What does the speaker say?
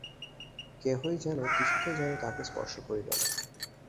কেহই যেন, কিছুতেই যেন, তাহাকে স্পর্শ করিল না।